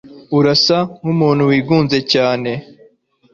Urasa nkumuntu wigunze cyane.